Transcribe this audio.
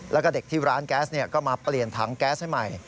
แล้วก็เด็กที่ร้านแก๊สก็มาเปลี่ยนถังแก๊สให้ใหม่